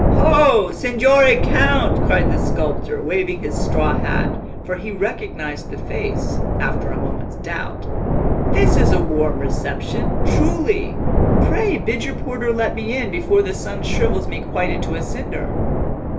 "Ho, Signore Count!" cried the sculptor, waving his straw hat, for he recognized the face, after a moment's doubt. "This is a warm reception, truly! Pray bid your porter let me in, before the sun shrivels me quite into a cinder."